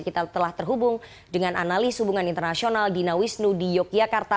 kita telah terhubung dengan analis hubungan internasional dina wisnu di yogyakarta